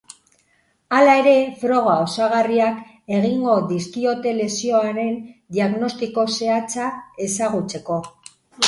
Hala ere, froga osagarriak egingo dizkiote lesioaren diagnostiko zehatza ezagutzeko.